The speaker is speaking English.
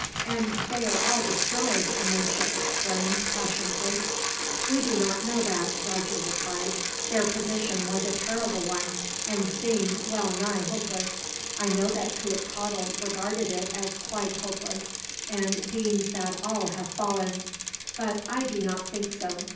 "And they are all destroyed," Amenche exclaimed, passionately. "We do not know that," Roger replied. "Their position was a terrible one and seemed well nigh hopeless. I know that Cuitcatl regarded it as quite hopeless, and deems that all have fallen; but I do not think so.